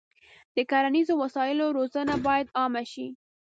د کرنیزو وسایلو روزنه باید عامه شي.